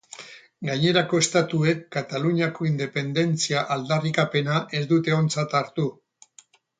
Gainerako estatuek Kataluniako independentzia aldarrikapena ez dute ontzat hartu.